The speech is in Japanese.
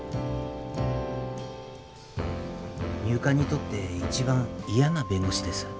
入管にとって一番嫌な弁護士です。